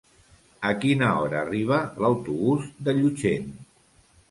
A quina hora arriba l'autobús de Llutxent?